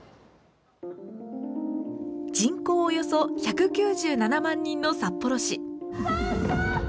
人口およそ１９７万人の札幌市。